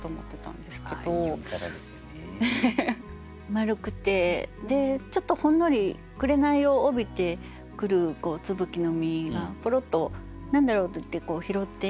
丸くてちょっとほんのり紅を帯びてくる椿の実がぽろっと何だろうっていって拾っていく。